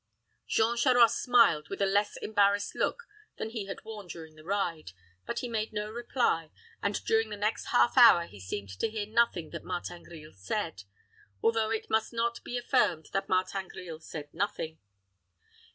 Jean Charost smiled with a less embarrassed look than he had worn during the ride; but he made no reply, and during the next half hour he seemed to hear nothing that Martin Grille said, although it must not be affirmed that Martin Grille said nothing.